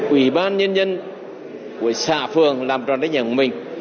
ủy ban nhân dân của xã phường làm tròn trách nhiệm của mình